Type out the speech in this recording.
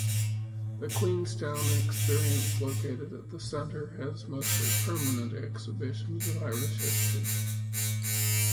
The "Queenstown Experience", located at the centre, has mostly permanent exhibitions of Irish history.